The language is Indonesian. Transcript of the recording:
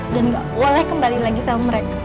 dan gak boleh kembali lagi sama mereka